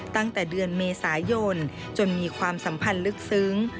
ตั้งแต่เดือนเมษายนจนมีความสัมพันธ์ลึกซึ้ง